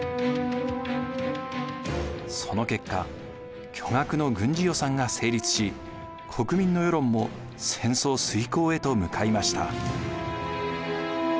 その結果巨額の軍事予算が成立し国民の世論も戦争遂行へと向かいました。